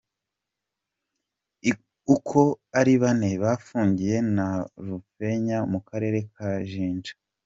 Uko ari bane bafungiye Nalufenya mu karere ka Jinja.